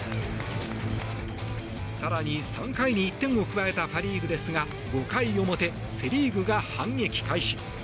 更に３回に１点を加えたパ・リーグですが５回表、セ・リーグが反撃開始。